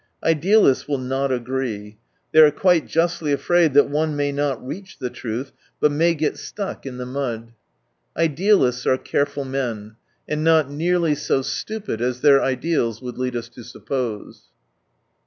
Idealists will not agree. They are quite justly afraid that one may not reach the truth, but may get stuck in 157 the mud. Idealists are careful men, and not nearly so stupid as their ideals would lead us to suppose.